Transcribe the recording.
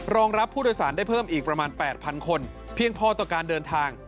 รับผู้โดยสารได้เพิ่มอีกประมาณ๘๐๐คนเพียงพอต่อการเดินทาง